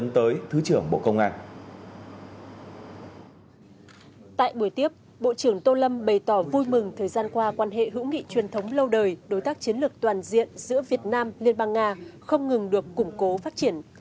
thời gian qua quan hệ hữu nghị truyền thống lâu đời đối tác chiến lược toàn diện giữa việt nam liên bang nga không ngừng được củng cố phát triển